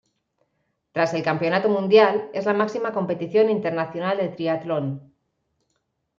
Tras el Campeonato Mundial, es la máxima competición internacional de triatlón.